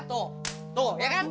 tuh tuh ya kan